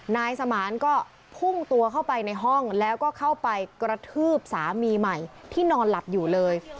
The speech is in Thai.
นายสมานก็พุ่งตัวเข้าไปในห้องแล้วก็เข้าไปกระทืบสามีใหม่ที่นอนหลับอยู่เลย